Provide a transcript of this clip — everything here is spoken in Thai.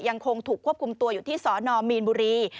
ยังคงถูกควบคุมตัวอยู่ที่สนมีนบุรี